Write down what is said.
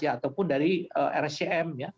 ataupun dari rcm